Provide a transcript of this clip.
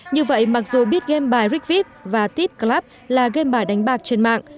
như vậy mặc dù biết game bài rigvip và tip club là game bài đánh bạc trên mạng